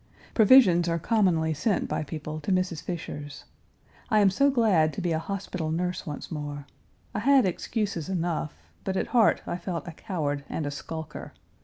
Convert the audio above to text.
Provisions are commonly sent by people to Mrs. Fisher's. I am so glad to be a hospital nurse once more. I had excuses enough, but at heart I felt a coward and a skulker.